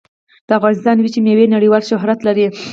د افغانستان وچې میوې نړیوال شهرت لري